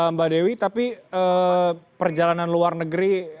mbak dewi tapi perjalanan luar negeri